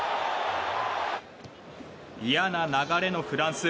嫌な流れのフランス。